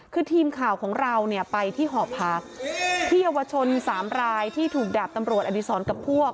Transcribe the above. คือทีมข่าวของเราเนี่ยไปที่หอพักที่เยาวชนสามรายที่ถูกดาบตำรวจอดีศรกับพวก